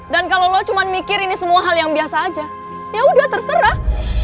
dan kalau lo cuma mikir ini semua hal yang biasa aja ya udah terserah